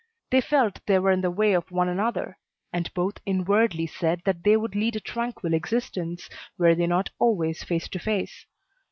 They felt they were in the way of one another, and both inwardly said that they would lead a tranquil existence were they not always face to face.